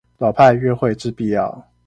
老派約會之必要